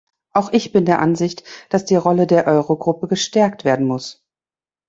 Auch ich bin der Ansicht, dass die Rolle der Eurogruppe gestärkt werden muss.